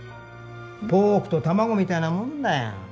ポークと卵みたいなもんだよ。